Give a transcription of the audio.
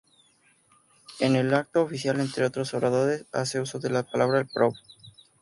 En el acto oficial entre otros oradores hace uso de la palabra el Prof.